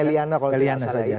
meliana kalau tidak salah